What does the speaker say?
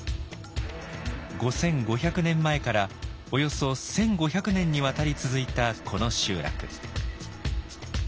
５５００年前からおよそ１５００年にわたり続いたこの集落。